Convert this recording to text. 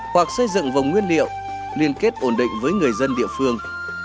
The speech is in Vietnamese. hoặc xây dựng vùng nguyên liệu liên kết ổn định với người dân địa phương